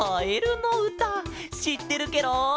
しってるケロ！